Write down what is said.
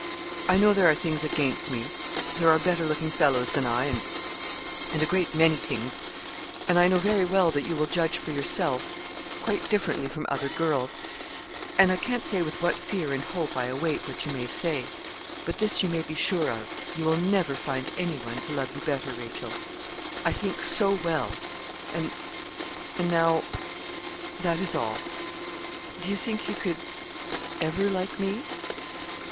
I know there are things against me there are better looking fellows than I and and a great many things and I know very well that you will judge for yourself quite differently from other girls; and I can't say with what fear and hope I await what you may say; but this you may be sure of, you will never find anyone to love you better, Rachel I think so well and and now that is all. Do you think you could ever like me?'